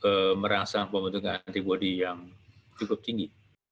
sudah cukup merangsang pembentukan antibody yang cukup tinggi